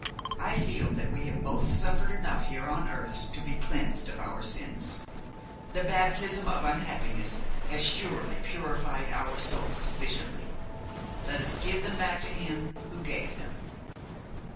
I feel that we have both suffered enough here on earth to be cleansed of our sins. The baptism of unhappiness has surely purified our souls sufficiently; let us give them back to Him who gave them."